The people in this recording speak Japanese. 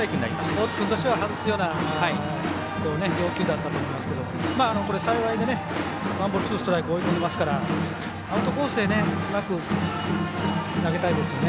大津君としては外すような要求だったと思いますがこれは幸いでワンボールツーストライクと追い込んでますからアウトコースへうまく投げたいですよね。